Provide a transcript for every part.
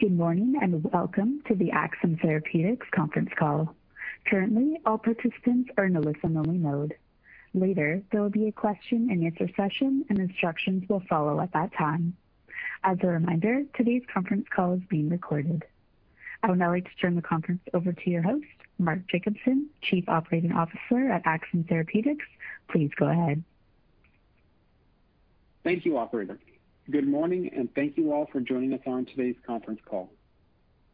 Good morning, and welcome to the Axsome Therapeutics conference call. Currently, all participants are in a listen-only mode. Later, there will be a question and answer session, and instructions will follow at that time. As a reminder, today's conference call is being recorded. I would now like to turn the conference over to your host, Mark Jacobson, Chief Operating Officer at Axsome Therapeutics. Please go ahead. Thank you, operator. Good morning. Thank you all for joining us on today's conference call.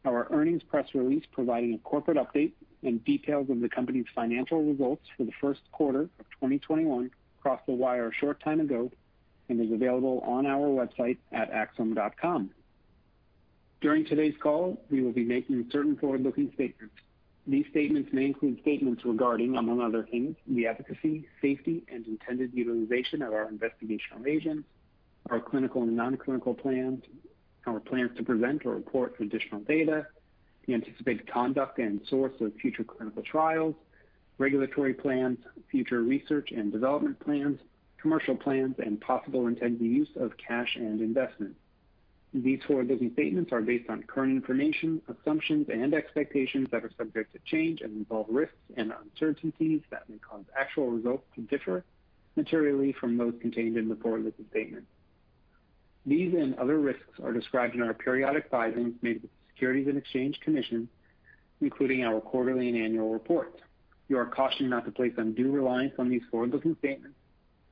Our earnings press release providing a corporate update and details of the company's financial results for the first quarter of 2021 crossed the wire a short time ago and is available on our website at axsome.com. During today's call, we will be making certain forward-looking statements. These statements may include statements regarding, among other things, the efficacy, safety, and intended utilization of our investigational agents, our clinical and non-clinical plans, our plans to present or report additional data, the anticipated conduct and source of future clinical trials, regulatory plans, future research and development plans, commercial plans, and possible intended use of cash and investments. These forward-looking statements are based on current information, assumptions and expectations that are subject to change and involve risks and uncertainties that may cause actual results to differ materially from those contained in the forward-looking statements. These and other risks are described in our periodic filings made with the Securities and Exchange Commission, including our quarterly and annual reports. You are cautioned not to place undue reliance on these forward-looking statements,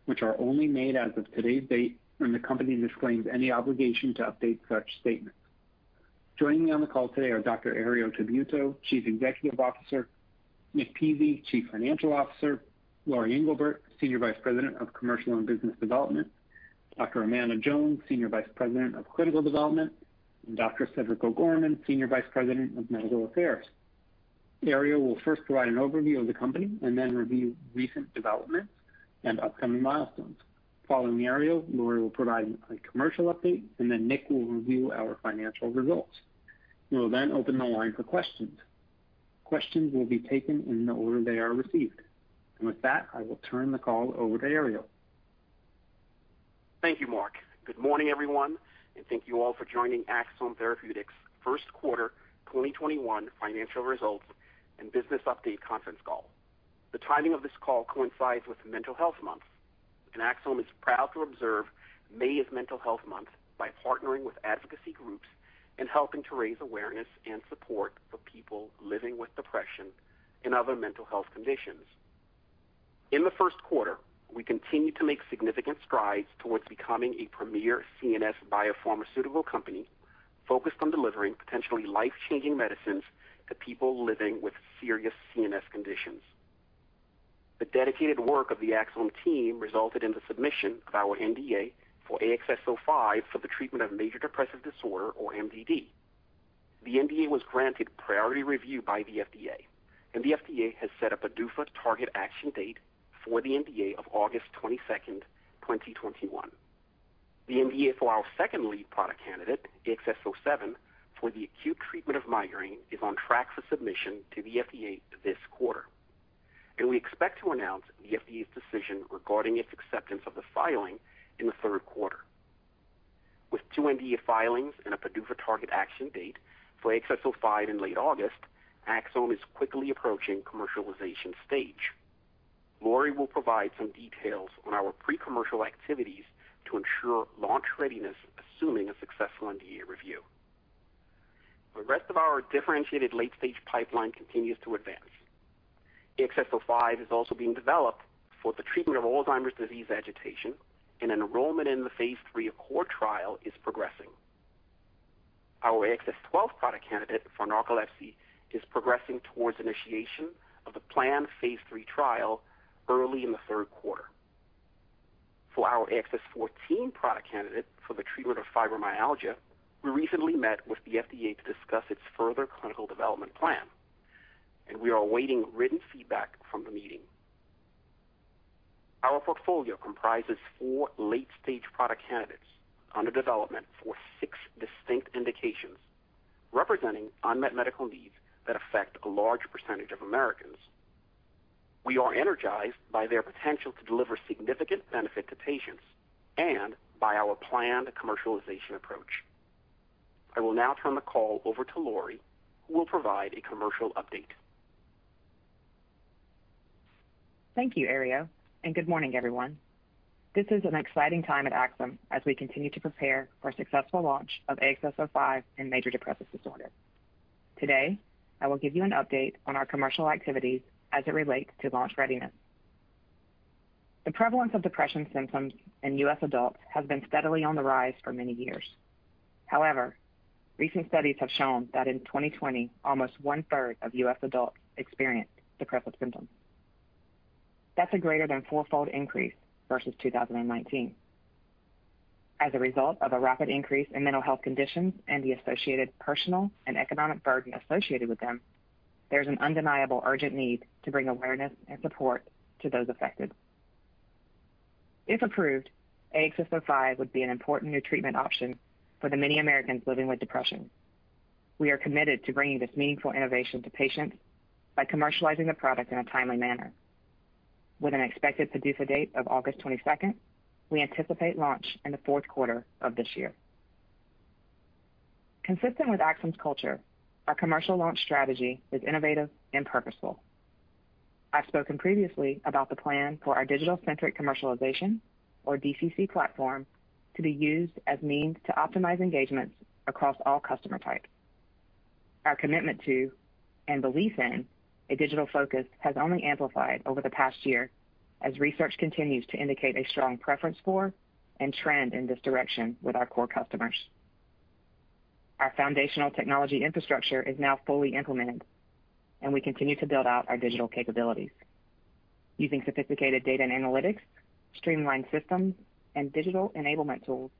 which are only made as of today's date, and the company disclaims any obligation to update such statements. Joining me on the call today are Dr. Herriot Tabuteau, Chief Executive Officer; Nick Pizzie, Chief Financial Officer; Lori Englebert, Senior Vice President of Commercial and Business Development; Dr. Amanda Jones, Senior Vice President of Clinical Development; and Dr. Cedric O'Gorman, Senior Vice President of Medical Affairs. Herriot Tabuteau will first provide an overview of the company and then review recent developments and upcoming milestones. Following Herriot Tabuteau, Lori Englebert will provide a commercial update, and then Nick Pizzie will review our financial results. We will then open the line for questions. Questions will be taken in the order they are received. With that, I will turn the call over to Herriot Tabuteau. Thank you, Mark. Good morning, everyone, thank you all for joining Axsome Therapeutics' first quarter 2021 financial results and business update conference call. The timing of this call coincides with Mental Health Month, Axsome is proud to observe May as Mental Health Month by partnering with advocacy groups and helping to raise awareness and support for people living with depression and other mental health conditions. In the first quarter, we continued to make significant strides towards becoming a premier CNS biopharmaceutical company focused on delivering potentially life-changing medicines to people living with serious CNS conditions. The dedicated work of the Axsome team resulted in the submission of our NDA for AXS-05 for the treatment of major depressive disorder or MDD. The NDA was granted priority review by the FDA, the FDA has set up a PDUFA target action date for the NDA of August 22nd, 2021. The NDA for our second lead product candidate, AXS-07, for the acute treatment of migraine, is on track for submission to the FDA this quarter, and we expect to announce the FDA's decision regarding its acceptance of the filing in the third quarter. With two NDA filings and a PDUFA target action date for AXS-05 in late August, Axsome is quickly approaching commercialization stage. Lori will provide some details on our pre-commercial activities to ensure launch readiness, assuming a successful NDA review. The rest of our differentiated late-stage pipeline continues to advance. AXS-05 is also being developed for the treatment of Alzheimer's disease agitation, and enrollment in the phase III core trial is progressing. Our AXS-12 product candidate for narcolepsy is progressing towards initiation of the planned phase III trial early in the third quarter. For our AXS-14 product candidate for the treatment of fibromyalgia, we recently met with the FDA to discuss its further clinical development plan, and we are awaiting written feedback from the meeting. Our portfolio comprises four late-stage product candidates under development for six distinct indications, representing unmet medical needs that affect a large percentage of Americans. We are energized by their potential to deliver significant benefit to patients and by our planned commercialization approach. I will now turn the call over to Lori, who will provide a commercial update. Thank you, Herriot, good morning, everyone. This is an exciting time at Axsome as we continue to prepare for a successful launch of AXS-05 in major depressive disorder. Today, I will give you an update on our commercial activities as it relates to launch readiness. The prevalence of depression symptoms in U.S. adults has been steadily on the rise for many years. Recent studies have shown that in 2020, almost one-third of U.S. adults experienced depressive symptoms. That's a greater than fourfold increase versus 2019. As a result of a rapid increase in mental health conditions and the associated personal and economic burden associated with them, there's an undeniable urgent need to bring awareness and support to those affected. If approved, AXS-05 would be an important new treatment option for the many Americans living with depression. We are committed to bringing this meaningful innovation to patients by commercializing the product in a timely manner. With an expected PDUFA date of August 22nd, we anticipate launch in the fourth quarter of this year. Consistent with Axsome's culture, our commercial launch strategy is innovative and purposeful. I've spoken previously about the plan for our digital-centric commercialization, or DCC platform, to be used as means to optimize engagements across all customer types. Our commitment to and belief in a digital focus has only amplified over the past year as research continues to indicate a strong preference for and trend in this direction with our core customers. Our foundational technology infrastructure is now fully implemented, and we continue to build out our digital capabilities. Using sophisticated data and analytics, streamlined systems, and digital enablement tools,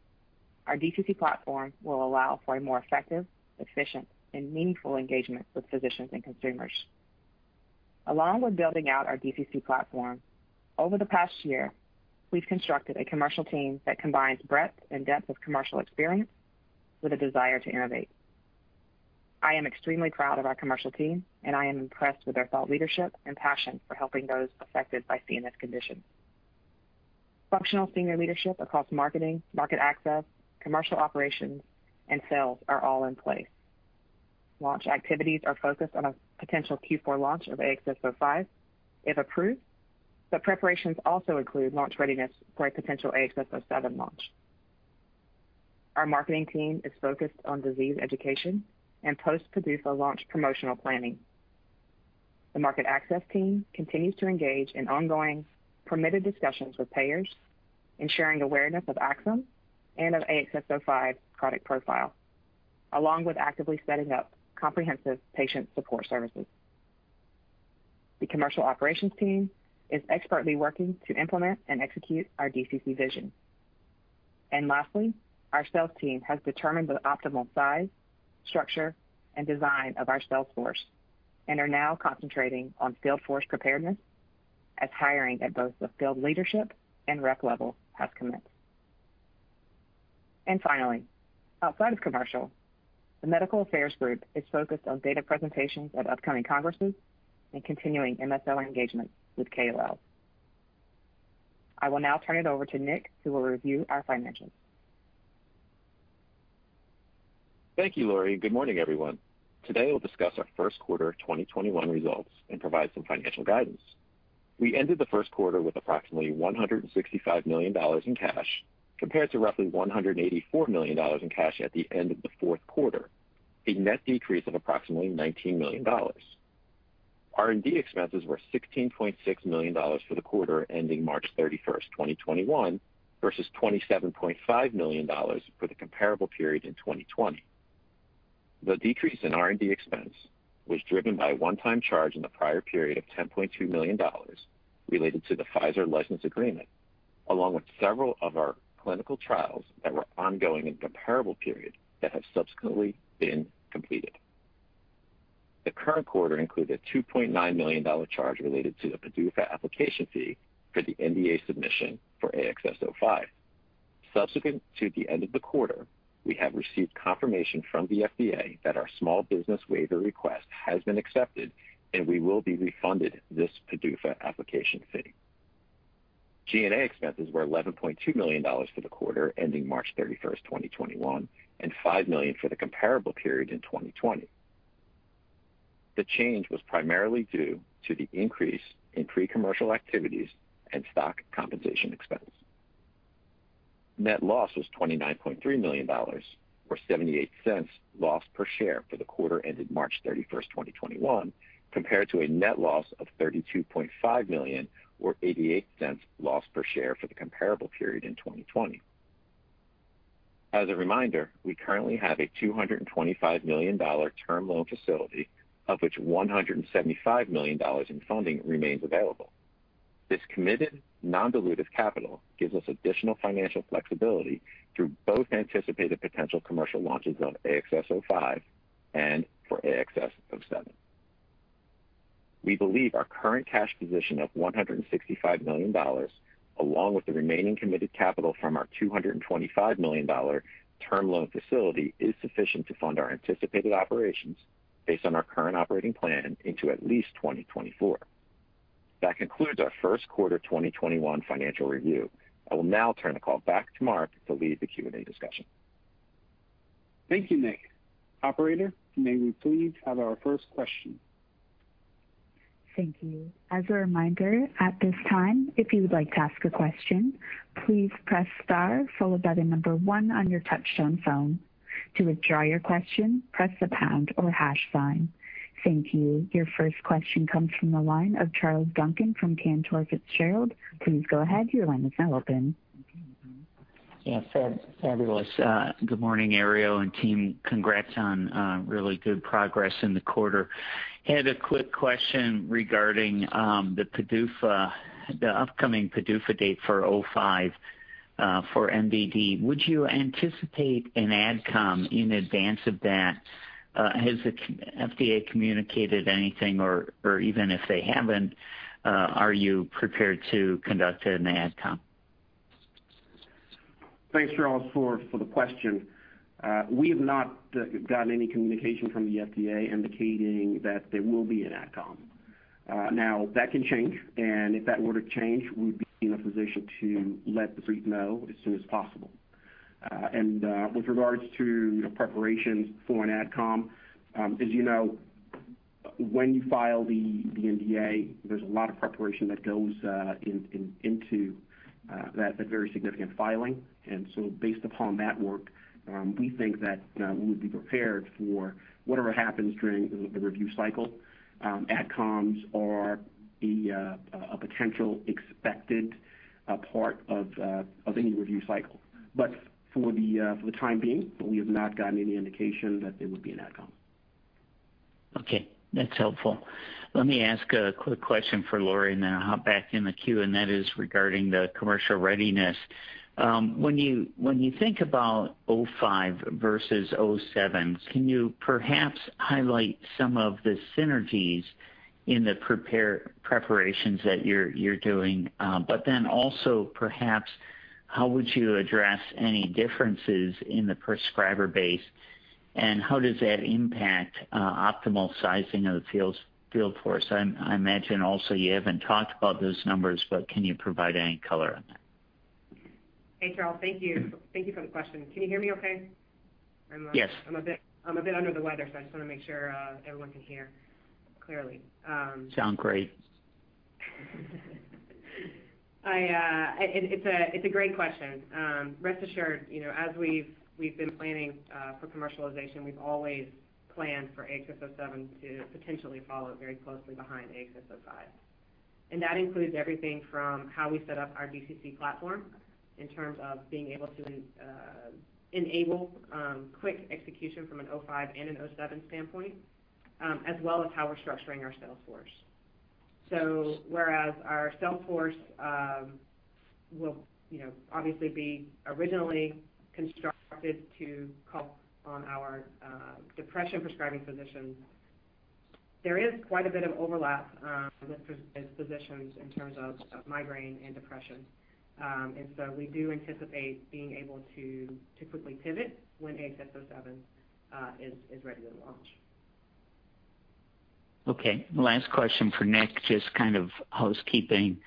our DCC platform will allow for a more effective, efficient, and meaningful engagement with physicians and consumers. Along with building out our DCC platform, over the past year, we've constructed a commercial team that combines breadth and depth of commercial experience with a desire to innovate. I am extremely proud of our commercial team, and I am impressed with their thought leadership and passion for helping those affected by CNS conditions. Functional senior leadership across marketing, market access, commercial operations, and sales are all in place. Launch activities are focused on a potential Q4 launch of AXS-05 if approved. The preparations also include launch readiness for a potential AXS-07 launch. Our marketing team is focused on disease education and post-PDUFA launch promotional planning. The market access team continues to engage in ongoing permitted discussions with payers in sharing awareness of Axsome and of AXS-05 product profile, along with actively setting up comprehensive patient support services. The commercial operations team is expertly working to implement and execute our DCC vision. Lastly, our sales team has determined the optimal size, structure, and design of our sales force and are now concentrating on field force preparedness as hiring at both the field leadership and rep level has commenced. Finally, outside of commercial, the medical affairs group is focused on data presentations at upcoming congresses and continuing MSL engagements with KOLs. I will now turn it over to Nick, who will review our financials. Thank you, Lori. Good morning, everyone. Today, we'll discuss our first quarter 2021 results and provide some financial guidance. We ended the first quarter with approximately $165 million in cash, compared to roughly $184 million in cash at the end of the fourth quarter, a net decrease of approximately $19 million. R&D expenses were $16.6 million for the quarter ending March 31st, 2021, versus $27.5 million for the comparable period in 2020. The decrease in R&D expense was driven by a one-time charge in the prior period of $10.2 million related to the Pfizer license agreement, along with several of our clinical trials that were ongoing in the comparable period that have subsequently been completed. The current quarter included a $2.9 million charge related to the PDUFA application fee for the NDA submission for AXS-05. Subsequent to the end of the quarter, we have received confirmation from the FDA that our small business waiver request has been accepted, and we will be refunded this PDUFA application fee. G&A expenses were $11.2 million for the quarter ending March 31st, 2021, and $5 million for the comparable period in 2020. The change was primarily due to the increase in pre-commercial activities and stock compensation expense. Net loss was $29.3 million or $0.78 loss per share for the quarter ended March 31st, 2021, compared to a net loss of $32.5 million or $0.88 loss per share for the comparable period in 2020. As a reminder, we currently have a $225 million term loan facility, of which $175 million in funding remains available. This committed non-dilutive capital gives us additional financial flexibility through both anticipated potential commercial launches of AXS-05 and for AXS-07. We believe our current cash position of $165 million, along with the remaining committed capital from our $225 million term loan facility, is sufficient to fund our anticipated operations based on our current operating plan into at least 2024. That concludes our first quarter 2021 financial review. I will now turn the call back to Mark to lead the Q&A discussion. Thank you, Nick. Operator, may we please have our first question? Your first question comes from the line of Charles Duncan from Cantor Fitzgerald. Please go ahead. Your line is now open. Yeah. Fabulous. Good morning, Herriot Tabuteau and team. Congrats on really good progress in the quarter. Had a quick question regarding the PDUFA, the upcoming PDUFA date for 05 for MDD. Would you anticipate an AdCom in advance of that? Has the FDA communicated anything, or even if they haven't, are you prepared to conduct an AdCom? Thanks, Charles, for the question. We have not gotten any communication from the FDA indicating that there will be an AdCom. That can change, and if that were to change, we would be in a position to let the Street know as soon as possible. With regards to preparations for an AdCom, as you know, when you file the NDA, there's a lot of preparation that goes into that very significant filing. Based upon that work, we think that we would be prepared for whatever happens during the review cycle. AdComs are a potential expected part of any review cycle. For the time being, we have not gotten any indication that there would be an AdCom. Okay. That's helpful. Let me ask a quick question for Lori, and then I'll hop back in the queue. That is regarding the commercial readiness. When you think about AXS-05 versus AXS-07, can you perhaps highlight some of the synergies in the preparations that you're doing? Also, perhaps, how would you address any differences in the prescriber base, and how does that impact optimal sizing of the field force? I imagine also you haven't talked about those numbers, but can you provide any color on that? Hey, Charles. Thank you. Thank you for the question. Can you hear me okay? Yes. I'm a bit under the weather, so I just want to make sure everyone can hear clearly. Sound great. It's a great question. Rest assured, as we've been planning for commercialization, we've always planned for AXS-07 to potentially follow very closely behind AXS-05. That includes everything from how we set up our DCC platform in terms of being able to enable quick execution from an 05 and an 07 standpoint, as well as how we're structuring our sales force. Whereas our sales force will obviously be originally constructed to call on our depression prescribing physicians, there is quite a bit of overlap with physicians in terms of migraine and depression. We do anticipate being able to quickly pivot when AXS-07 is ready to launch. Okay. Last question for Nick, just kind of housekeeping.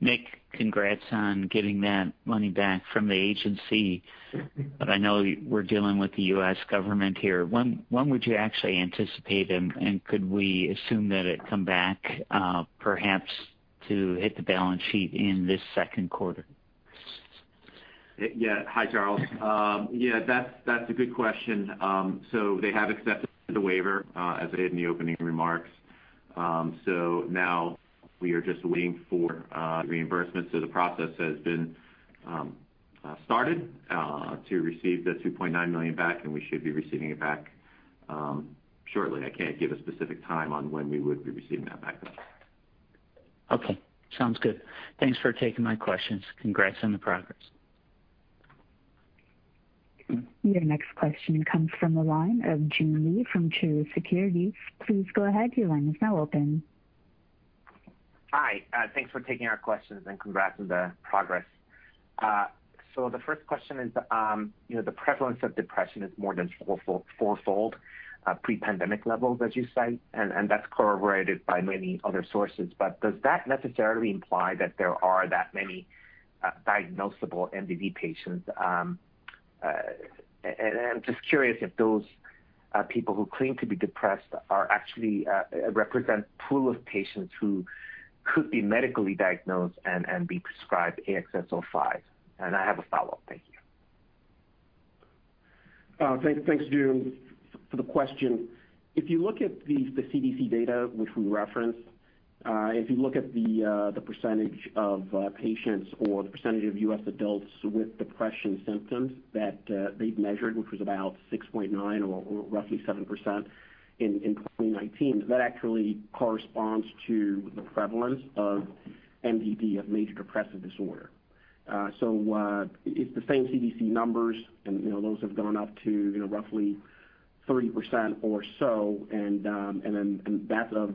Nick, congrats on getting that money back from the agency. I know we're dealing with the U.S. government here. When would you actually anticipate, and could we assume that it come back perhaps to hit the balance sheet in this second quarter? Yeah. Hi, Charles. Yeah, that's a good question. They have accepted the waiver, as I did in the opening remarks. Now we are just waiting for the reimbursement. The process has been started to receive the $2.9 million back, and we should be receiving it back shortly. I can't give a specific time on when we would be receiving that back, though. Okay. Sounds good. Thanks for taking my questions. Congrats on the progress. Your next question comes from the line of Joon Lee from Truist Securities. Please go ahead. Your line is now open. Hi. Thanks for taking our questions, congrats on the progress. The first question is, the prevalence of depression is more than fourfold pre-pandemic levels, as you cite, that's corroborated by many other sources. Does that necessarily imply that there are that many diagnosable MDD patients? I'm just curious if those people who claim to be depressed actually represent pool of patients who could be medically diagnosed and be prescribed AXS-05. I have a follow-up. Thank you. Thanks, Joon, for the question. If you look at the CDC data, which we referenced, if you look at the percentage of U.S. adults with depression symptoms that they've measured, which was about 6.9% or roughly 7% in 2019, that actually corresponds to the prevalence of MDD, of major depressive disorder. It's the same CDC numbers, and those have gone up to roughly 30% or so, and that's of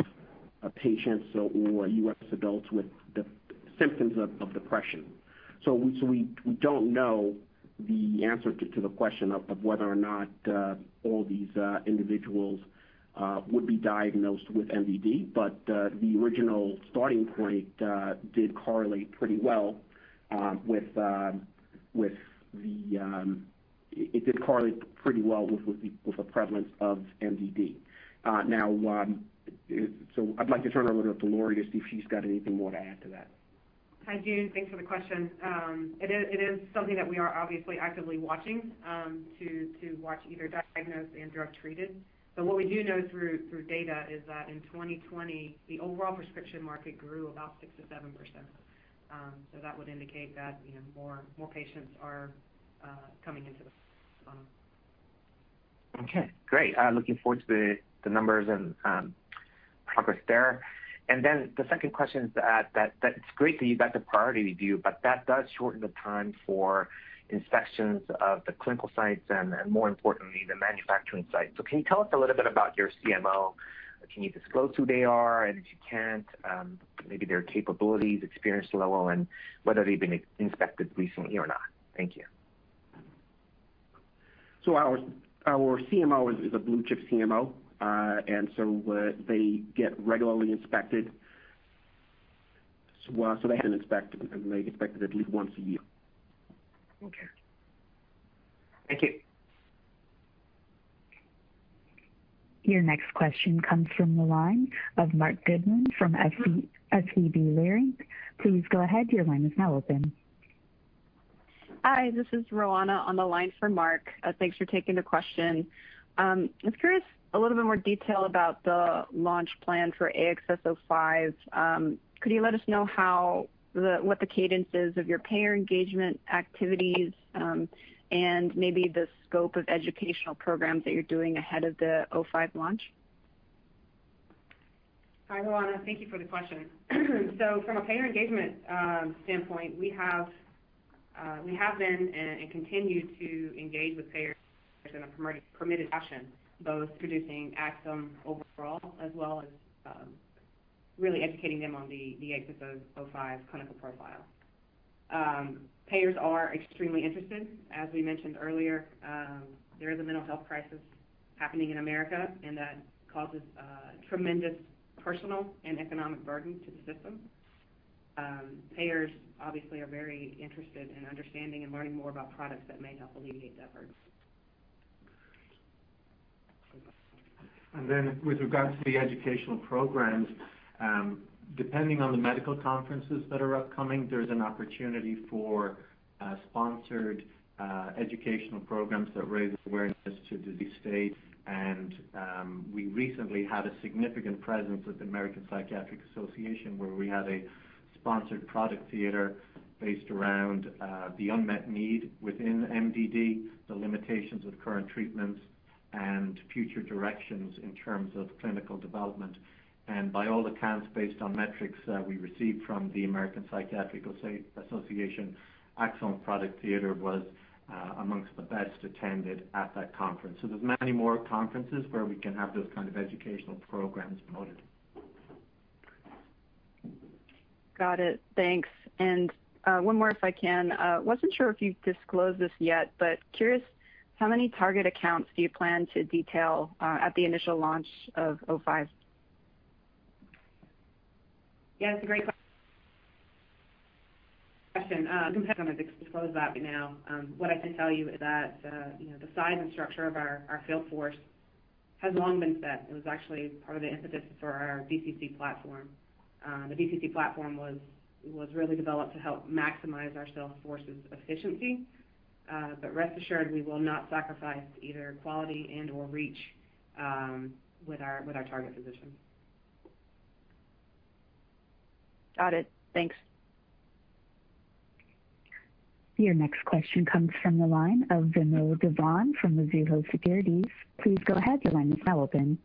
patients or U.S. adults with symptoms of depression. We don't know the answer to the question of whether or not all these individuals would be diagnosed with MDD. The original starting point did correlate pretty well with the prevalence of MDD. I'd like to turn it over to Lori to see if she's got anything more to add to that. Hi, Joon. Thanks for the question. It is something that we are obviously actively watching, to watch either diagnosed and drug treated. What we do know through data is that in 2020, the overall prescription market grew about 6%-7%. That would indicate that more patients are coming into the. Okay. Great. Looking forward to the numbers and progress there. The second question is that it's great that you got the priority review, that does shorten the time for inspections of the clinical sites and more importantly, the manufacturing sites. Can you tell us a little bit about your CMO? Can you disclose who they are? If you can't, maybe their capabilities, experience level, and whether they've been inspected recently or not. Thank you. Our CMO is a blue chip CMO, and so they get regularly inspected. They had an inspection, and they inspected at least once a year. Okay. Thank you. Your next question comes from the line of Marc Goodman from Leerink Partners. Please go ahead. Hi, this is Roanna on the line for Marc. Thanks for taking the question. I'm curious, a little bit more detail about the launch plan for AXS-05. Could you let us know what the cadence is of your payer engagement activities and maybe the scope of educational programs that you're doing ahead of the AXS-05 launch? Hi, Roanna. Thank you for the question. From a payer engagement standpoint, we have been and continue to engage with payers from a permitting action, both predicting Axsome overall as well as really educating them on the AXS-05 clinical profile. Payers are extremely interested. As we mentioned earlier, there is a mental health crisis happening in America, and that causes tremendous personal and economic burden to the system. Payers obviously are very interested in understanding and learning more about products that may help alleviate that burden. With regards to the educational programs, depending on the medical conferences that are upcoming, there's an opportunity for sponsored educational programs that raise awareness to the disease state. We recently had a significant presence at the American Psychiatric Association, where we had a sponsored product theater based around the unmet need within MDD, the limitations of current treatments, and future directions in terms of clinical development. By all accounts, based on metrics that we received from the American Psychiatric Association, Axsome product theater was amongst the best attended at that conference. There's many more conferences where we can have those kind of educational programs promoted. Got it. Thanks. One more, if I can. Wasn't sure if you've disclosed this yet, but curious how many target accounts do you plan to detail at the initial launch of AXS-05? Yeah, that's a great question. I'm not going to disclose that right now. What I can tell you is that the size and structure of our sales force has long been set. It was actually part of the impetus for our DCC platform. The DCC platform was really developed to help maximize our sales force's efficiency. Rest assured, we will not sacrifice either quality and/or reach with our target positions. Got it. Thanks. Your next question comes from the line of Vamil Divan from Guggenheim Securities. Please go ahead. Your line is now open.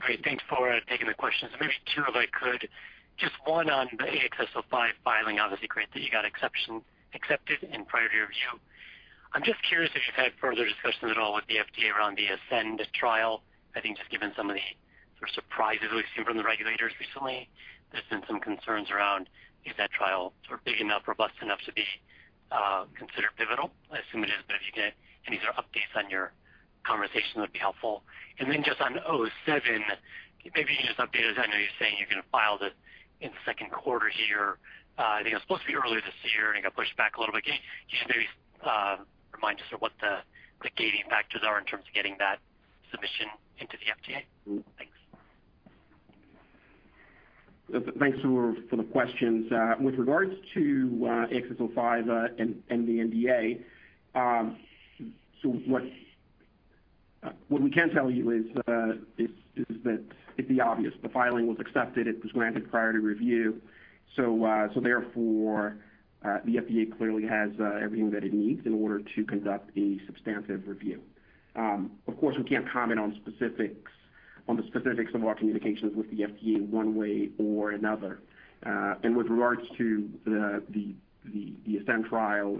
Great. Thanks, Roanna. Thanks for taking the questions. Two if I could. Just one on the AXS-05 filing. Obviously, great that you got accepted in priority review. I am just curious if you have had further discussions at all with the FDA around the ASCEND trial. I think given some of the surprises we have seen from the regulators recently, there has been some concerns around is that trial big enough, robust enough to be considered pivotal as soon as you submit it. Any updates on your conversation would be helpful. Just on 07, maybe just update us. I know you are saying you are going to file this in the second quarter here. I think it was supposed to be earlier this year and got pushed back a little bit. Can you maybe remind us what the gating factors are in terms of getting that submission into the FDA? Thanks. Thanks for the questions. With regards to AXS-05 and the NDA, what we can tell you is that it's obvious the filing was accepted. It was granted priority review. Therefore, the FDA clearly has everything that it needs in order to conduct a substantive review. Of course, we can't comment on the specifics of our communications with the FDA one way or another. With regards to the ASCEND trial,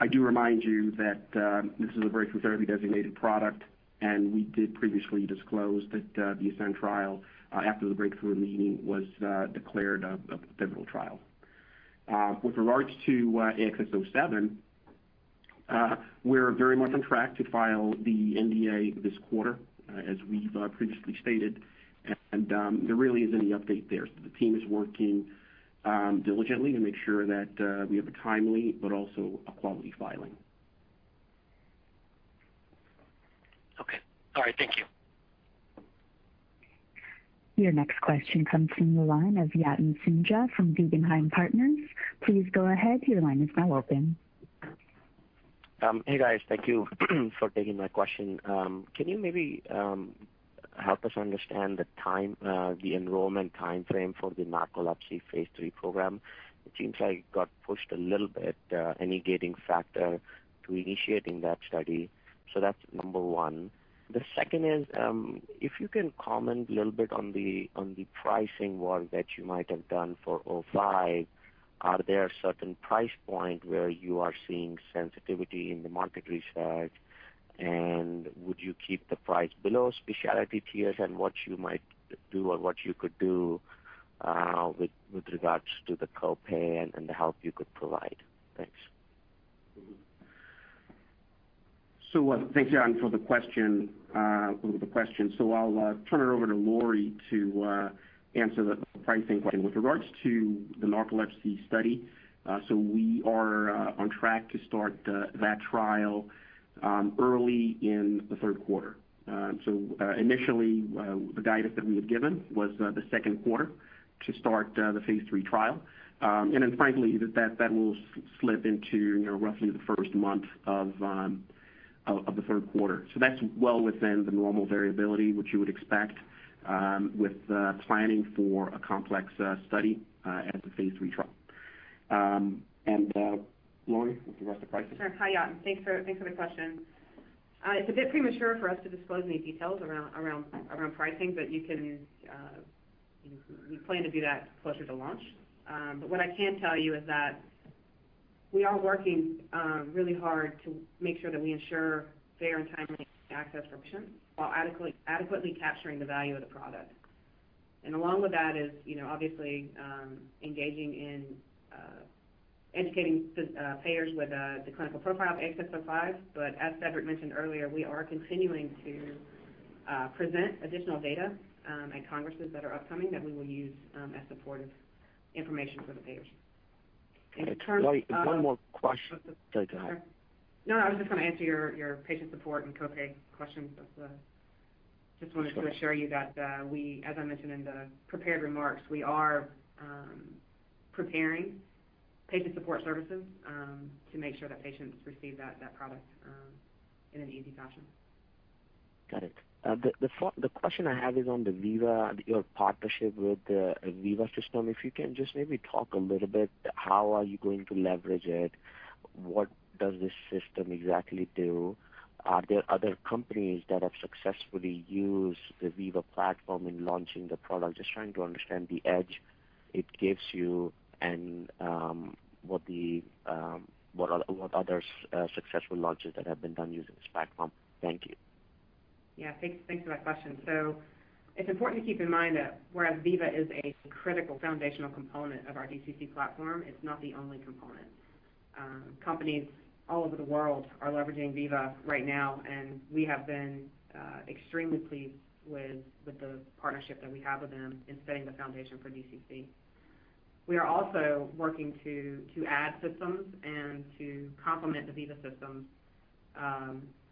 I do remind you that this is a breakthrough therapy designated product, and we did previously disclose that the ASCEND trial, after the breakthrough meeting, was declared a pivotal trial. With regards to AXS-07, we're very much on track to file the NDA this quarter, as we've previously stated, and there really isn't any update there. The team is working diligently to make sure that we have a timely but also a quality filing. Okay. All right. Thank you. Your next question comes from the line of Yatin Suneja from Guggenheim Securities. Please go ahead. Your line is now open. Hey, guys. Thank you for taking my question. Can you maybe help us understand the enrollment timeframe for the narcolepsy phase III program? It seems like it got pushed a little bit. Any gating factor to initiating that study? That's number one. The second is, if you can comment a little bit on the pricing work that you might have done for 05. Are there certain price point where you are seeing sensitivity in the market research, and would you keep the price below specialty tiers and what you might do or what you could do with regards to the co-pay and the help you could provide. Thanks. Thanks, Yatin Suneja, for the question. I'll turn it over to Lori Englebert to answer the pricing question. With regards to the narcolepsy study, we are on track to start that trial early in the third quarter. Initially, the guidance that we had given was the second quarter to start the phase III trial. Frankly, that will slip into roughly the first month of the third quarter. That's well within the normal variability, which you would expect with planning for a complex study as a phase III trial. Lori Englebert, with the rest of the pricing? Sure. Hi, Yatin. Thanks for the question. It's a bit premature for us to disclose any details around pricing, but we plan to do that closer to launch. What I can tell you is that we are working really hard to make sure that we ensure fair and timely access for patients while adequately capturing the value of the product. Along with that is obviously engaging in educating payers with the clinical profile of AXS-05, but as Cedric mentioned earlier, we are continuing to present additional data at congresses that are upcoming that we will use as supportive information for the payers. Lori, one more question. Go ahead. Sorry. No, I was just going to answer your patient support and co-pay questions. Just wanted to assure you that we, as I mentioned in the prepared remarks, we are preparing patient support services to make sure that patients receive that product in an easy fashion. Got it. The question I have is on the Veeva, your partnership with the Veeva Systems. If you can just maybe talk a little bit, how are you going to leverage it? What does this system exactly do? Are there other companies that have successfully used the Veeva platform in launching the product? Just trying to understand the edge it gives you and what other successful launches that have been done using this platform. Thank you. Yeah. Thanks for that question. It's important to keep in mind that whereas Veeva is a critical foundational component of our DCC platform, it's not the only component. Companies all over the world are leveraging Veeva right now, and we have been extremely pleased with the partnership that we have with them in setting the foundation for DCC. We are also working to add systems and to complement the Veeva systems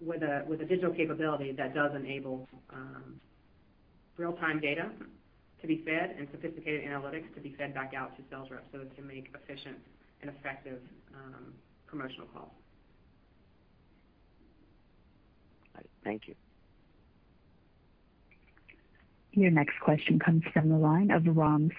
with a digital capability that does enable real-time data to be fed and sophisticated analytics to be fed back out to sales reps so they can make efficient and effective promotional calls. All right. Thank you. Your next question comes from the line of Ram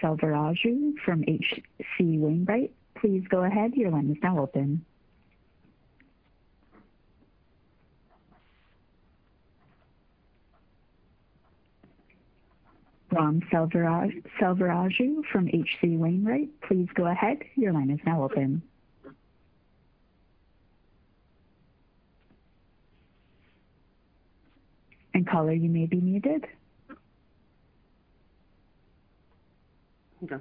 Selvaraju from H.C. Wainwright. Please go ahead. Your line is now open. Ram Selvaraju from H.C. Wainwright, please go ahead. Your line is now open. Caller, you may be muted. Okay.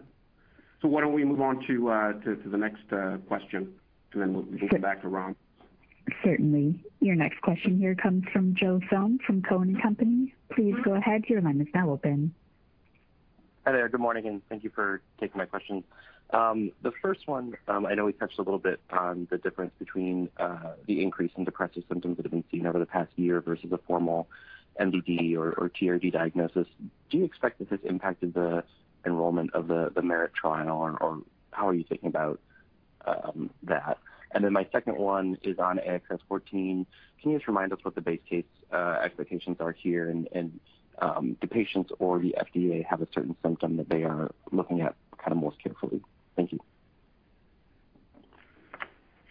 Why don't we move on to the next question, and then we'll come back around. Certainly. Your next question here comes from Joseph Thome from Cowen and Company. Please go ahead. Hi there. Good morning, and thank you for taking my questions. The first one, I know we touched a little bit on the difference between the increase in depressive symptoms that have been seen over the past year versus a formal MDD or TRD diagnosis. Do you expect that this impacted the enrollment of the MERIT trial, or how are you thinking about that? My second one is on AXS-14. Can you just remind us what the base case expectations are here and do patients or the FDA have a certain symptom that they are looking at most carefully? Thank you.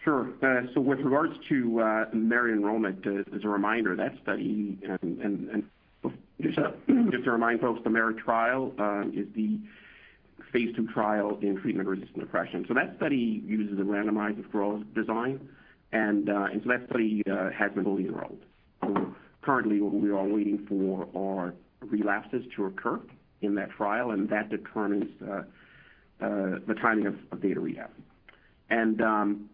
Sure. With regards to MERIT enrollment, as a reminder, that study, and just to remind folks, the MERIT trial is the phase II trial in treatment-resistant depression. That study uses a randomized crossover design, and that study has been fully enrolled. Currently what we are waiting for are relapses to occur in that trial, and that determines the timing of data read. Then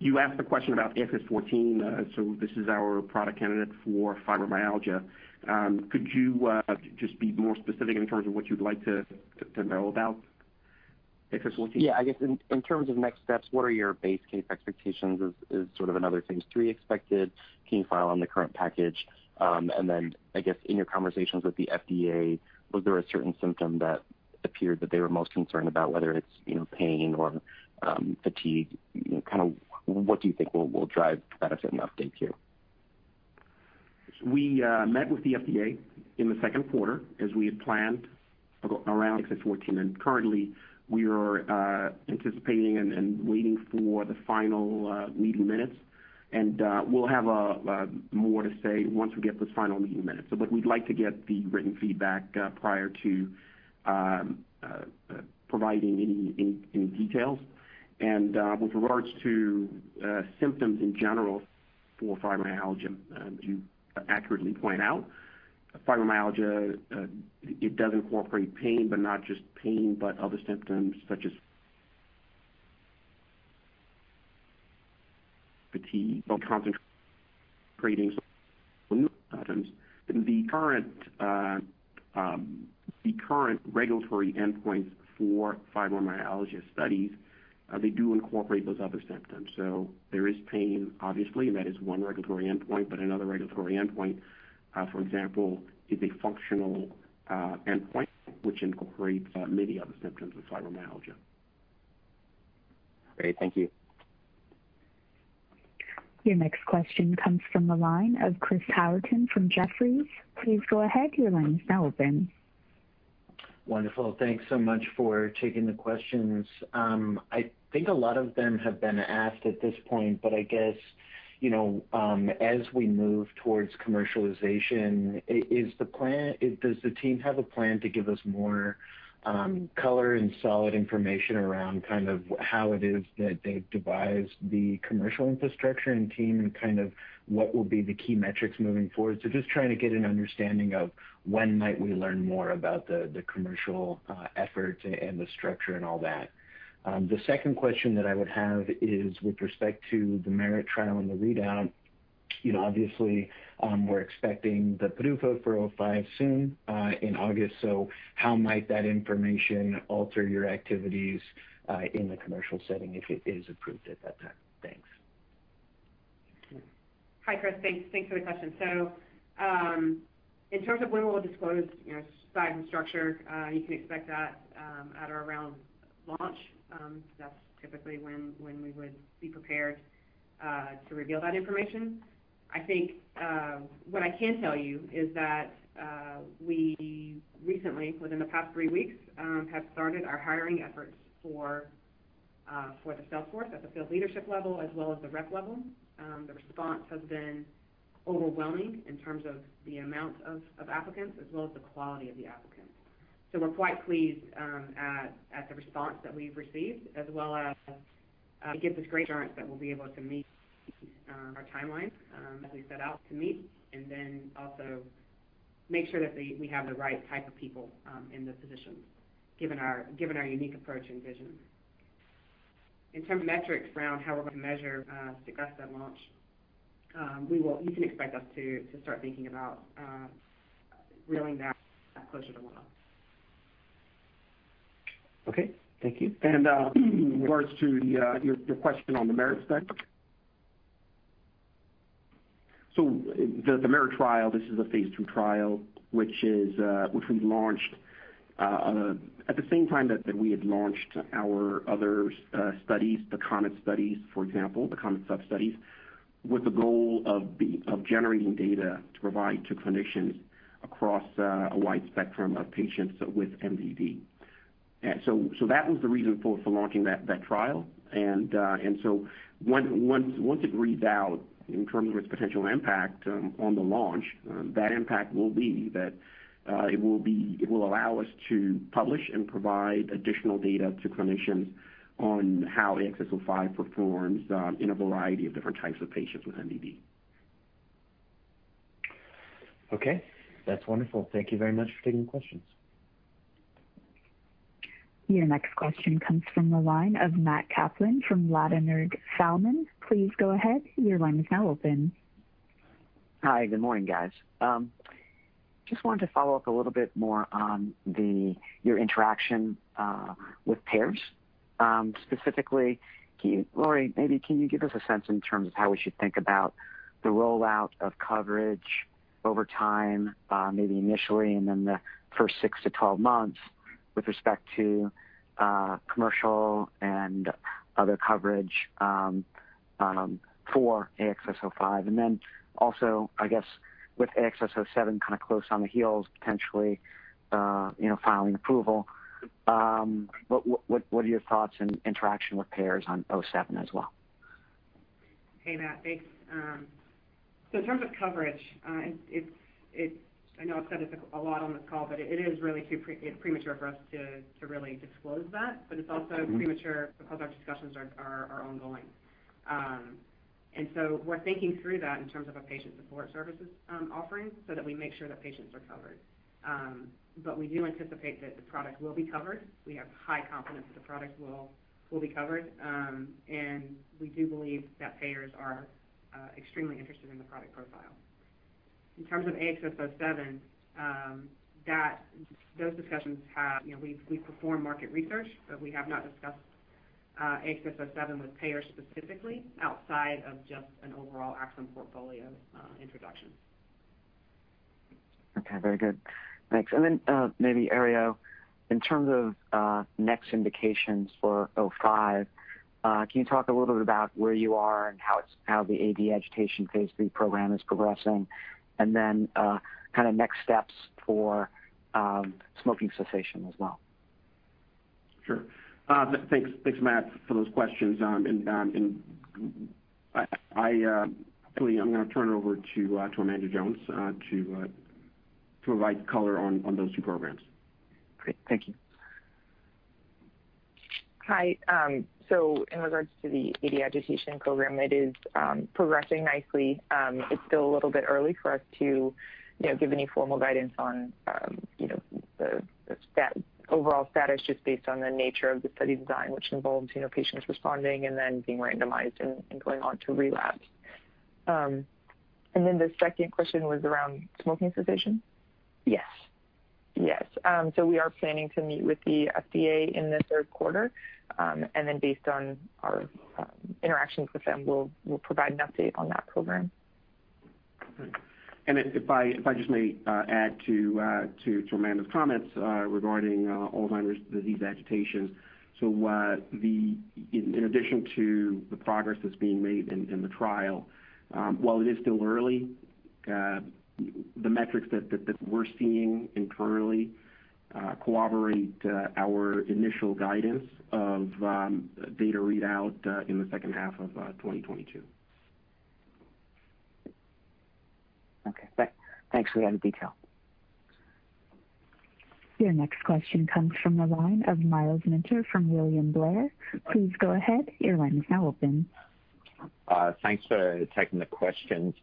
you asked the question about AXS-14. This is our product candidate for fibromyalgia. Could you just be more specific in terms of what you'd like to know about AXS-14? Yeah, I guess in terms of next steps, what are your base case expectations? Is another phase III expected? Can you file on the current package? Then I guess in your conversations with the FDA, was there a certain symptom that appeared that they were most concerned about, whether it's pain or fatigue? What do you think will drive benefit and uptake here? We met with the FDA in the second quarter as we had planned around AXS-14, and currently we are anticipating and waiting for the final meeting minutes. We'll have more to say once we get those final meeting minutes, but we'd like to get the written feedback prior to providing any details. With regards to symptoms in general for fibromyalgia, as you accurately point out, fibromyalgia, it does incorporate pain, but not just pain, but other symptoms such as fatigue or concentrating symptoms. The current regulatory endpoints for fibromyalgia studies, they do incorporate those other symptoms. There is pain, obviously, and that is one regulatory endpoint. Another regulatory endpoint, for example, is a functional endpoint which incorporates many other symptoms of fibromyalgia. Great. Thank you. Your next question comes from the line of Chris Howerton from Jefferies. Please go ahead. Your line is now open. Wonderful. Thanks so much for taking the questions. I think a lot of them have been asked at this point. I guess, as we move towards commercialization, does the team have a plan to give us more color and solid information around how it is that they've devised the commercial infrastructure and team, and what will be the key metrics moving forward? Just trying to get an understanding of when might we learn more about the commercial effort and the structure and all that. The second question that I would have is with respect to the MERIT trial and the readout. Obviously, we're expecting the PDUFA for 05 soon in August. How might that information alter your activities in the commercial setting if it is approved at that time? Thanks. Hi, Chris. Thanks for the question. In terms of when we'll disclose science and structure, you can expect that at or around launch. That's typically when we would be prepared to reveal that information. I think what I can tell you is that we recently, within the past three weeks, have started our hiring efforts for the sales force at the field leadership level as well as the rep level. The response has been overwhelming in terms of the amount of applicants as well as the quality of the applicants. We're quite pleased at the response that we've received, as well as it gives us great assurance that we'll be able to meet our timelines that we set out to meet, also make sure that we have the right type of people in the positions, given our unique approach and vision. In terms of metrics around how we're going to measure success at launch, you can expect us to start thinking about reeling that closer to launch. Okay. Thank you. With regards to your question on the MERIT study. The MERIT trial, this is a phase II trial, which we've launched at the same time that we had launched our other studies, the COMET studies, for example, the COMET sub-studies, with the goal of generating data to provide to clinicians across a wide spectrum of patients with MDD. That was the reason for launching that trial. Once it reads out in terms of its potential impact on the launch, that impact will be that it will allow us to publish and provide additional data to clinicians on how AXS-05 performs in a variety of different types of patients with MDD. Okay, that's wonderful. Thank you very much for taking the questions. Your next question comes from the line of Matthew Kaplan from Ladenburg Thalmann. Please go ahead. Your line is now open. Hi. Good morning, guys. Just wanted to follow up a little bit more on your interaction with payers. Specifically, Lori, maybe can you give us a sense in terms of how we should think about the rollout of coverage over time, maybe initially and then the first six months - 12 months with respect to commercial and other coverage for AXS-05? Also, I guess with AXS-07 close on the heels potentially, filing approval. What are your thoughts and interaction with payers on 07 as well? Hey, Matt. Thanks. In terms of coverage, I know I've said it a lot on this call, but it is really too premature for us to really disclose that. It's also premature because our discussions are ongoing. We're thinking through that in terms of a patient support services offering so that we make sure that patients are covered. We do anticipate that the product will be covered. We have high confidence that the product will be covered. We do believe that payers are extremely interested in the product profile. In terms of AXS-07, we've performed market research, but we have not discussed AXS-07 with payers specifically outside of just an overall Axsome portfolio introduction. Okay. Very good. Thanks. Maybe, Herriot, in terms of next indications for AXS-05, can you talk a little bit about where you are and how the AD agitation phase III program is progressing and then next steps for smoking cessation as well? Sure. Thanks, Matthew, for those questions. Actually, I'm going to turn it over to Amanda Jones to provide color on those two programs. Great. Thank you. Hi. In regards to the AD agitation program, it is progressing nicely. It's still a little bit early for us to give any formal guidance on the overall status, just based on the nature of the study design, which involves patients responding and then being randomized and going on to relapse. The second question was around smoking cessation? Yes. Yes. We are planning to meet with the FDA in the third quarter. Based on our interactions with them, we'll provide an update on that program. Great. If I just may add to Amanda's comments regarding Alzheimer's disease agitation. In addition to the progress that's being made in the trial, while it is still early, the metrics that we're seeing internally corroborate our initial guidance of data readout in the second half of 2022. Okay. Thanks for that detail. Your next question comes from the line of Myles Minter from William Blair. Please go ahead. Thanks for taking the questions.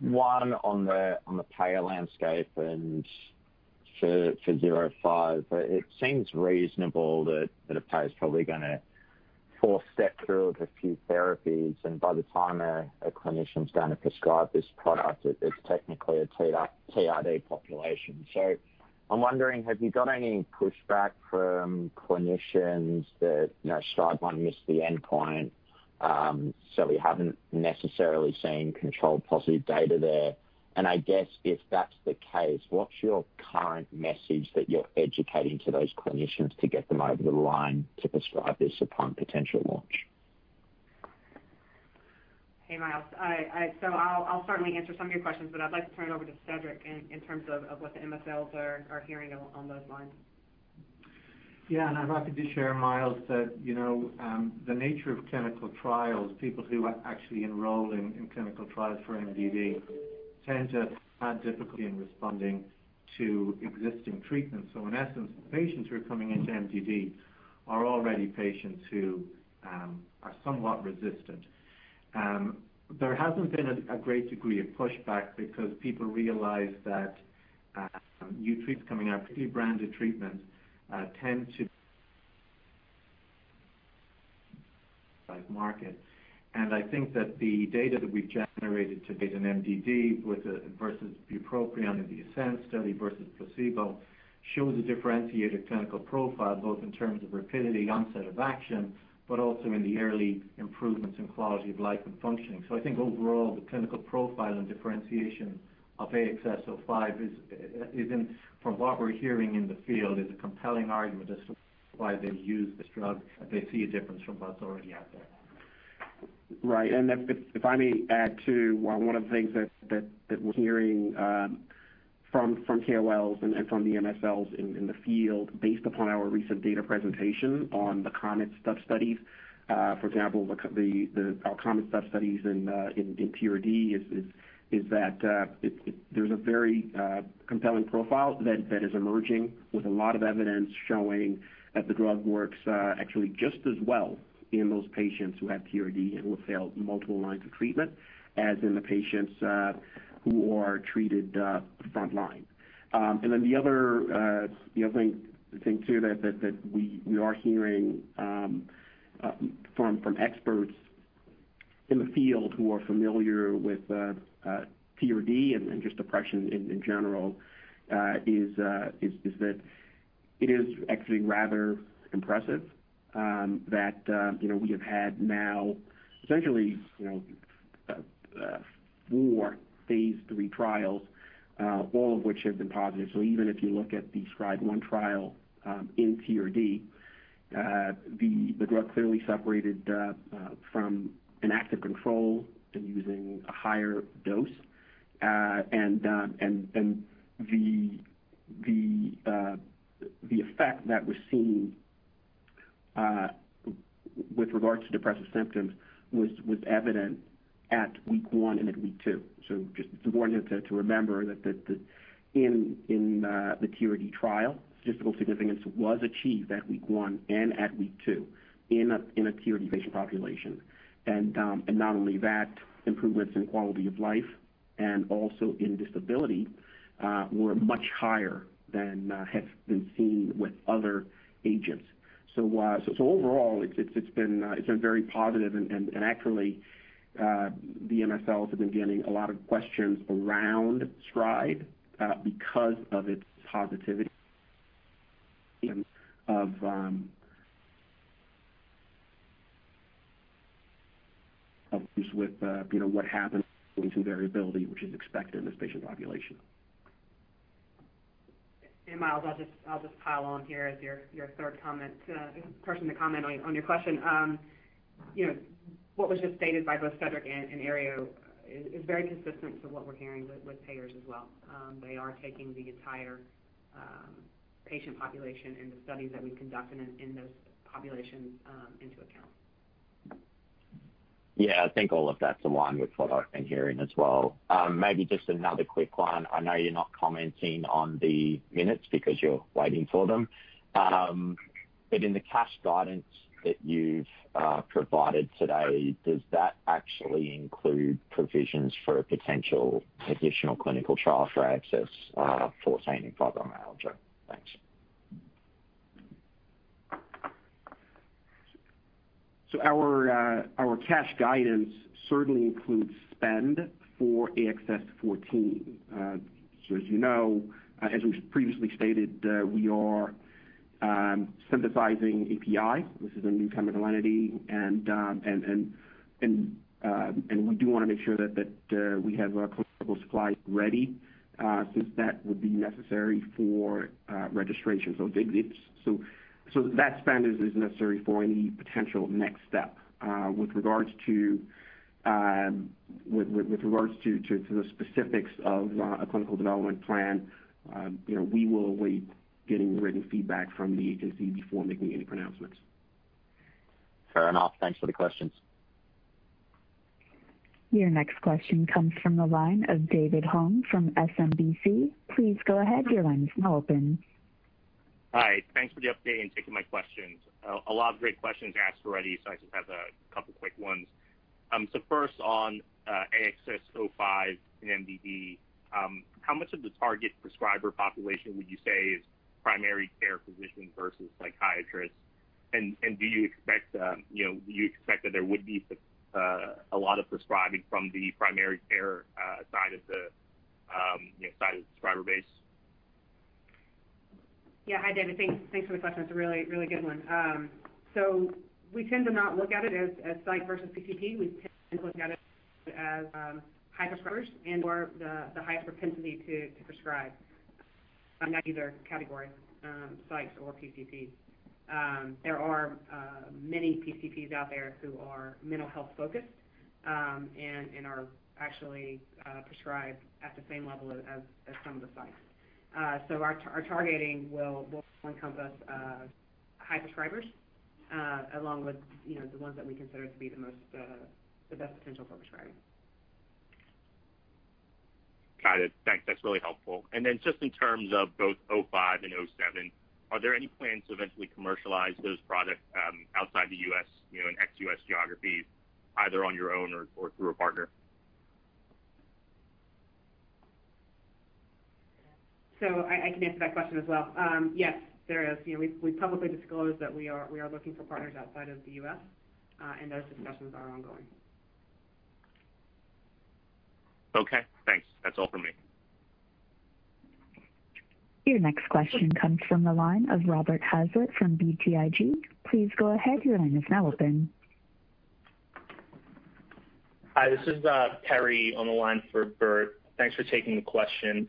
One on the payer landscape and for AXS-05. It seems reasonable that a payer's probably going to four-step through the few therapies, and by the time a clinician's going to prescribe this product, it's technically a TRD population. I'm wondering, have you got any pushback from clinicians that STRIDE-1 missed the endpoint, so we haven't necessarily seen controlled positive data there? I guess if that's the case, what's your current message that you're educating to those clinicians to get them over the line to prescribe this upon potential launch? Hey, Myles. I'll certainly answer some of your questions, but I'd like to turn it over to Cedric O'Gorman in terms of what the MSLs are hearing on those lines. Yeah, and I'm happy to share, Myles, that the nature of clinical trials, people who actually enroll in clinical trials for MDD tend to have difficulty in responding to existing treatments. In essence, patients who are coming into MDD are already patients who are somewhat resistant. There hasn't been a great degree of pushback because people realize that new treatments coming out, particularly branded treatments, tend to size market. I think that the data that we've generated to date in MDD versus bupropion in the ASCEND study versus placebo shows a differentiated clinical profile, both in terms of rapidity, onset of action, but also in the early improvements in quality of life and functioning. I think overall, the clinical profile and differentiation of AXS-05, from what we're hearing in the field, is a compelling argument as to why they use this drug, and they see a difference from what's already out there. Right. If I may add, too, one of the things that we're hearing from KOLs and from the MSLs in the field based upon our recent data presentation on the COMET sub-studies. For example, our COMET sub-studies in TRD is that there's a very compelling profile that is emerging with a lot of evidence showing that the drug works actually just as well in those patients who have TRD and who have failed multiple lines of treatment, as in the patients who are treated front line. The other thing, too, that we are hearing from experts in the field who are familiar with TRD and just depression in general is that it is actually rather impressive that we have had now essentially four phase III trials, all of which have been positive. Even if you look at the STRIDE-1 trial in TRD, the drug clearly separated from an active control and using a higher dose. The effect that was seen with regards to depressive symptoms was evident at week one and at week two. Just important to remember that in the TRD trial, statistical significance was achieved at week one and at week two in a TRD patient population. Not only that, improvements in quality of life and also in disability were much higher than has been seen with other agents. Overall, it's been very positive and actually, the MSLs have been getting a lot of questions around STRIDE-1 because of its positivity of with what happens in variability, which is expected in this patient population. Myles, I'll just pile on here as your third comment, person to comment on your question. What was just stated by both Cedric and Herriot is very consistent to what we're hearing with payers as well. They are taking the entire patient population and the studies that we've conducted in those populations into account. I think all of that's aligned with what I've been hearing as well. Maybe just another quick one. I know you're not commenting on the minutes because you're waiting for them, but in the cash guidance that you've provided today, does that actually include provisions for a potential additional clinical trial for AXS-14 in fibromyalgia? Thanks. Our cash guidance certainly includes spend for AXS-14. As you know, as we previously stated, we are synthesizing API. This is a new chemical entity, and we do want to make sure that we have our clinical supply ready, since that would be necessary for registration. That spend is necessary for any potential next step. With regards to the specifics of a clinical development plan, we will await getting written feedback from the agency before making any pronouncements. Fair enough. Thanks for the questions. Your next question comes from the line of David Hoang from SMBC. Please go ahead. Your line is now open. Hi. Thanks for the update and taking my questions. A lot of great questions asked already, so I just have a couple quick ones. First on AXS-05 in MDD. How much of the target prescriber population would you say is primary care physicians versus psychiatrists? Do you expect that there would be a lot of prescribing from the primary care side of the prescriber base? Yeah. Hi, David. Thanks for the question. It's a really good one. We tend to not look at it as psych versus PCP. We tend to look at it as high prescribers and/or the highest propensity to prescribe, not either category, psychs or PCPs. There are many PCPs out there who are mental health focused and are actually prescribed at the same level as some of the psychs. Our targeting will encompass high prescribers along with the ones that we consider to be the best potential for prescribing. Got it. Thanks. That's really helpful. Then just in terms of both 05 and 07, are there any plans to eventually commercialize those products outside the U.S., in ex-U.S. geographies, either on your own or through a partner? I can answer that question as well. Yes, there is. We publicly disclosed that we are looking for partners outside of the U.S., those discussions are ongoing. Okay, thanks. That is all for me. Your next question comes from the line of Robert Hazlett from BTIG. Please go ahead. Your line is now open. Hi, this is Perry on the line for Bert. Thanks for taking the question.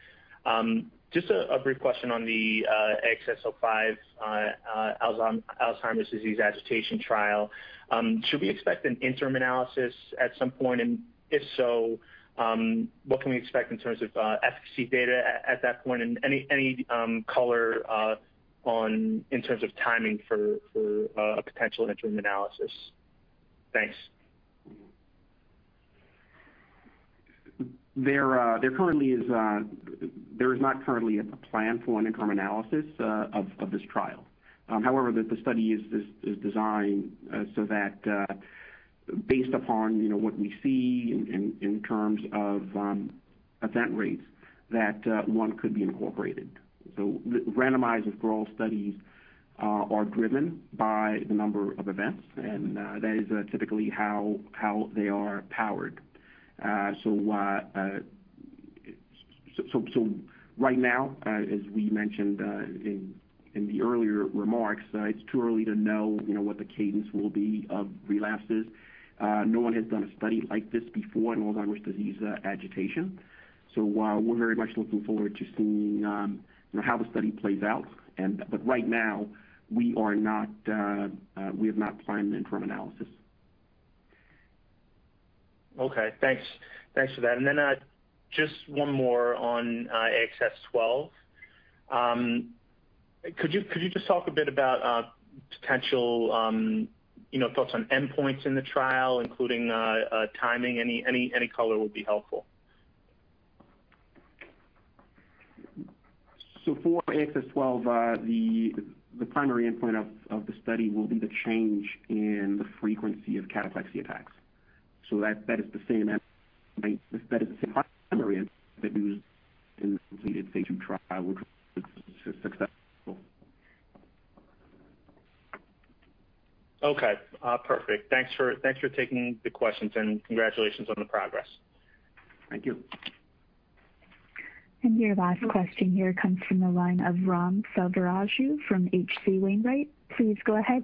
Just a brief question on the AXS-05 Alzheimer's disease agitation trial. Should we expect an interim analysis at some point? If so, what can we expect in terms of efficacy data at that point? Any color in terms of timing for a potential interim analysis? Thanks. There is not currently a plan for an interim analysis of this trial. However, the study is designed so that based upon what we see in terms of event rates, that one could be incorporated. Randomized withdrawal studies are driven by the number of events, and that is typically how they are powered. Right now, as we mentioned in the earlier remarks, it's too early to know what the cadence will be of relapses. No one has done a study like this before in Alzheimer's disease agitation. While we're very much looking forward to seeing how the study plays out, but right now we have not planned an interim analysis. Okay, thanks for that. Then just one more on AXS-12. Could you just talk a bit about potential thoughts on endpoints in the trial, including timing? Any color would be helpful. For AXS-12, the primary endpoint of the study will be the change in the frequency of cataplexy attacks. That is the same primary endpoint that we used in the completed phase II trial, which was successful. Okay, perfect. Thanks for taking the questions and congratulations on the progress. Thank you. Your last question here comes from the line of Ram Selvaraju from H.C. Wainwright. Please go ahead.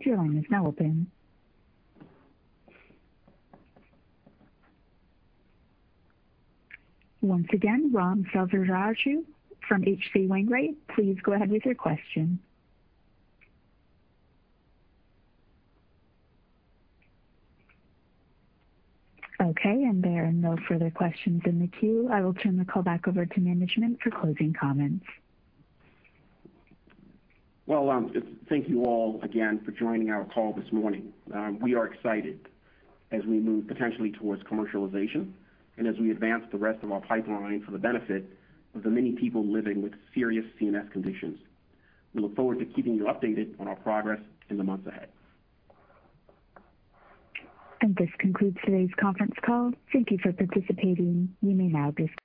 Once again, Ram Selvaraju from H.C. Wainwright. Please go ahead with your question. There are no further questions in the queue. I will turn the call back over to management for closing comments. Well, thank you all again for joining our call this morning. We are excited as we move potentially towards commercialization and as we advance the rest of our pipeline for the benefit of the many people living with serious CNS conditions. We look forward to keeping you updated on our progress in the months ahead. This concludes today's conference call. Thank you for participating. You may now disconnect.